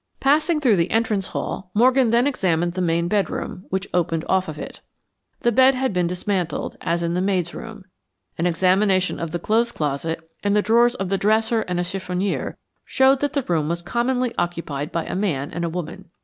Passing through the entrance hall, Morgan then examined the main bedroom, which opened off of it. The bed had been dismantled, as in the maid's room. An examination of the clothes closet, and the drawers of the dresser and a chiffonier, showed that the room was commonly occupied by a man and a woman.